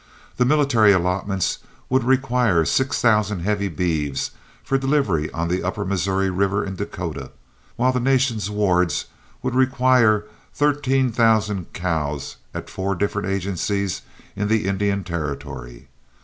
The military allotments would require six thousand heavy beeves for delivery on the upper Missouri River in Dakota, while the nation's wards would require thirteen thousand cows at four different agencies in the Indian Territory.